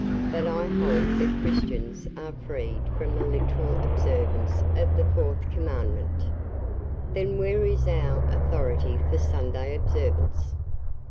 But I hold that Christians are freed from the literal observance of the Fourth Commandment." "Then where is our authority for Sunday observance?"